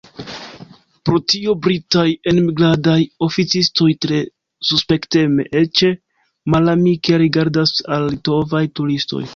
Pro tio britaj enmigradaj oficistoj tre suspekteme, eĉ malamike, rigardas al litovaj turistoj.